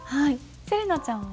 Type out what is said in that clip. せれなちゃんは？